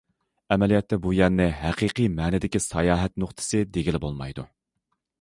ئەمەلىيەتتە، بۇ يەرنى ھەقىقىي مەنىدىكى ساياھەت نۇقتىسى، دېگىلى بولمايدۇ.